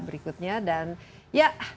berikutnya dan ya